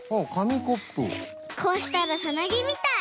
こうしたらサナギみたい。